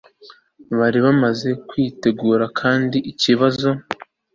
bari bamaze kwitegurana ikindi kibazo